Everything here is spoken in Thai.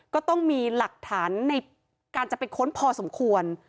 ก็ต้องมีหลักฐานในการจะไปค้นพอสมควร